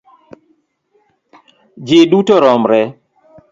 Ji duto romre.